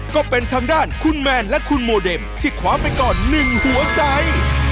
ก็เป็นทางด้านคุณแมนและคุณโมเดมที่คว้าไปก่อน๑หัวใจ